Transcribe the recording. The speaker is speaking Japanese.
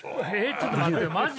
ちょっと待ってよマジ？